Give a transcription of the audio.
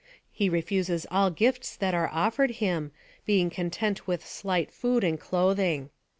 He refuses all gifts that are offered him, being content with slight food and clothing.'"